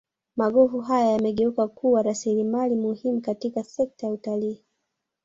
magofu haya yamegeuka kuwa rasilimali muhimu katika sekta ya utalii